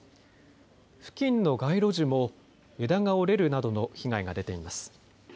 付近の街路樹も枝が折れるなどの被害が出ています。